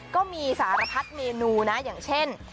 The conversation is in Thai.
ก็มีสารพัดเมนูนะอย่างเช่น